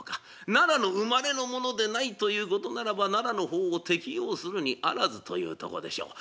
奈良の生まれの者でないということならば奈良の法を適用するにあらずというとこでしょう。